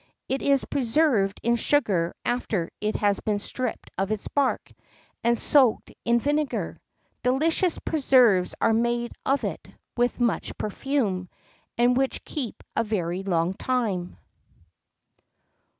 It is preserved in sugar after it has been stripped of its bark, and soaked in vinegar. Delicious preserves are made of it with much perfume, and which keep a very long time."